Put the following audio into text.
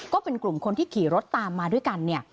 ก็เป็นกลุ่มคนที่ขี่รถตามมาด้วยกันเนี่ย